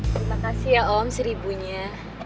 terima kasih ya om rp satu nya